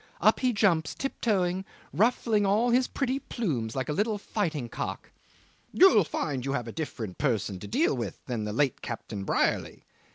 Up he jumps tiptoeing, ruffling all his pretty plumes, like a little fighting cock. 'You'll find you have a different person to deal with than the late Captain Brierly.